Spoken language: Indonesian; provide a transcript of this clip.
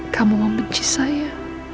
kamu mau benci saya